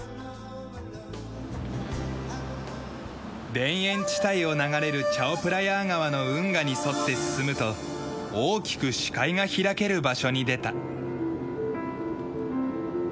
田園地帯を流れるチャオプラヤー川の運河に沿って進むと大きく視界が開ける場所に出た。